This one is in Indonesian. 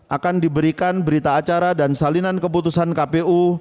akan diberikan berita acara dan salinan keputusan kpu